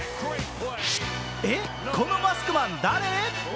え、このマスクマン、誰？